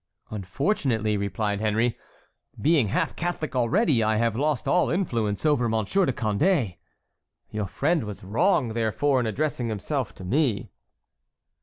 "Unfortunately," replied Henry, "being half Catholic already, I have lost all influence over Monsieur de Condé. Your friend was wrong, therefore, in addressing himself to me."